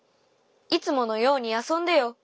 いつものようにあそんでよ！